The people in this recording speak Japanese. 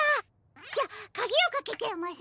じゃあかぎをかけちゃいますね。